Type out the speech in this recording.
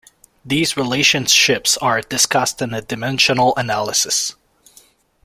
These relationships are discussed in dimensional analysis.